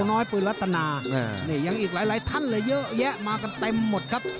น้อยปืนรัตนานี่ยังอีกหลายท่านเลยเยอะแยะมากันเต็มหมดครับ